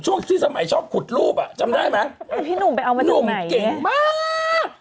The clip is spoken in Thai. ช่วงชื่อสมัยชอบขุดรูปอ่ะจำได้ไหมพี่หนุ่มไปเอามาจากไหนเนี้ยหนุ่มเก่งมาก